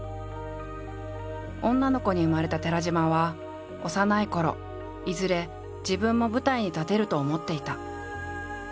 女の子に生まれた寺島は幼いころいずれ自分も舞台に立てると思っていた。